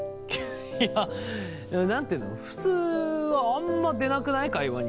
いや何て言うの普通はあんまりでなくない？会話に。